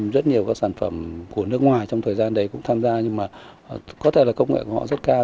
rất nhiều các sản phẩm của nước ngoài trong thời gian đấy cũng tham gia nhưng mà có thể là công nghệ của họ rất cao